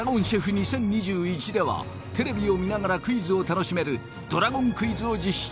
２０２１ではテレビを見ながらクイズを楽しめるＤＲＡＧＯＮＱＵＩＺを実施中